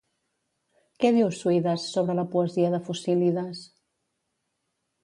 Què diu Suides sobre la poesia de Focílides?